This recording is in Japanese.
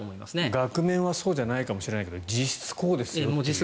額面はそうじゃないかもしれないけど実質